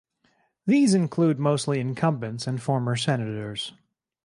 These include mostly incumbents and former senators.